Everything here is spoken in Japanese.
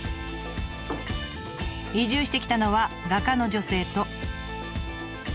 移住してきたのは画家の女性と。